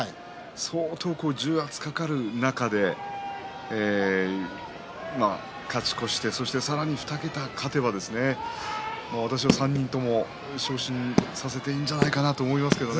相当重圧がかかる中で勝ち越してさらに２桁勝てば私は３人とも昇進させていいんじゃないかなと思いますけどね。